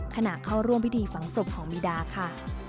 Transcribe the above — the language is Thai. ขณะเข้าร่วมพิธีฝังศพของบีดาค่ะ